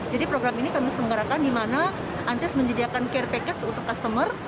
jadi program ini kami senggerakan dimana antis menyediakan care package untuk customer